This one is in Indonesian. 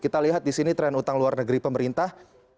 kita lihat di sini tren utang luar negeri pemerintah